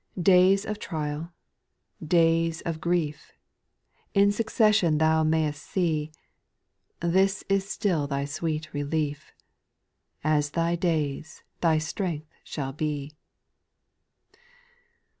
'*/ 3. Days of trial, days of grief, In succession thou may'st see, This is still thy sweet relief, —" As thy days, thy strength shall be."